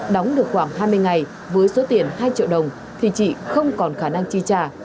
đóng được khoảng hai mươi ngày với số tiền hai triệu đồng thì chị không còn khả năng chi trả